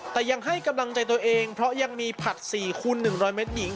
แต่ยังให้กำลังใจตัวเองเพราะยังมีผัด๔คูณ๑๐๐เมตรหญิง